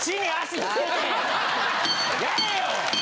やれよ！